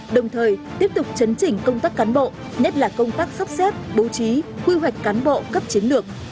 đồng thời tiếp tục chấn chỉnh công tác cán bộ nhất là công tác sắp xếp bố trí quy hoạch cán bộ cấp chiến lược